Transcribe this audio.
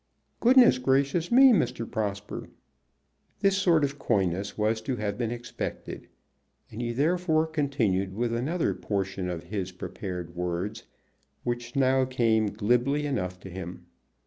"Goodness gracious me, Mr. Prosper!" This sort of coyness was to have been expected, and he therefore continued with another portion of his prepared words, which now came glibly enough to him.